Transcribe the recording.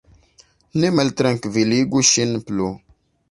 Ne maltrankviligu ŝin plu!